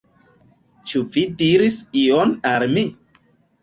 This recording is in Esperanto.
Ĉu vi diris ion al mi?